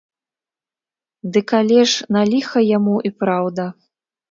Дык але ж, на ліха яму, і праўда.